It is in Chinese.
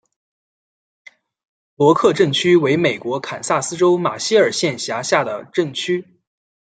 罗克镇区为美国堪萨斯州马歇尔县辖下的镇区。